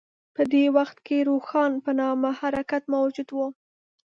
په دې وخت کې روښان په نامه حرکت موجود و.